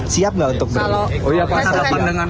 siap gak untuk berhadapan